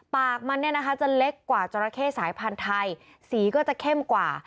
ปากมันเนี่ยนะคะจะเล็กกว่าจราเข้สายพันธุ์ไทยสีก็จะเข้มกว่า